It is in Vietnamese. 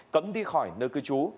cấm đi khỏi nơi cư trú